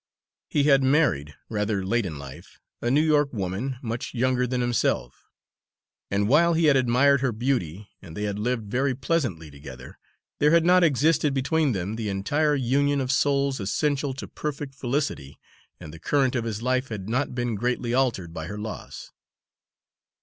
He had married, rather late in life, a New York woman, much younger than himself; and while he had admired her beauty and they had lived very pleasantly together, there had not existed between them the entire union of souls essential to perfect felicity, and the current of his life had not been greatly altered by her loss.